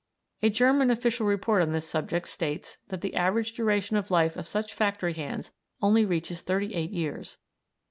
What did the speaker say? A German official report on this subject states that the average duration of life of such factory hands only reaches thirty eight years.